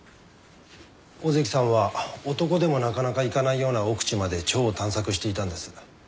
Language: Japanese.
小関さんは男でもなかなか行かないような奥地まで蝶を探索していたんです。